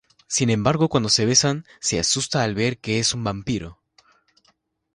Sin embargo cuando se besan, se asusta al ver que es un vampiro.